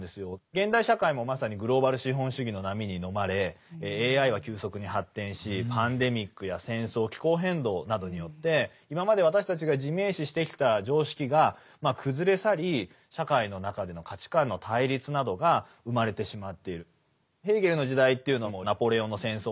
現代社会もまさにグローバル資本主義の波にのまれＡＩは急速に発展しパンデミックや戦争気候変動などによって今まで私たちが自明視してきた常識が崩れ去り社会の中での価値観の対立などが生まれてしまっている。